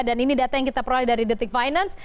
dan ini data yang kita proyek dari detik finance